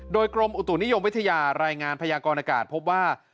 โดยกรมอุตุนิยมวิทยารายงานพยากรอากาศพบว่า